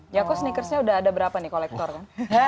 ya kok sneakersnya udah ada berapa nih kolektornya